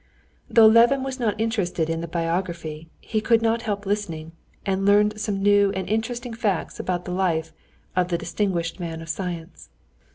Though Levin was not interested in the biography, he could not help listening, and learned some new and interesting facts about the life of the distinguished man of science.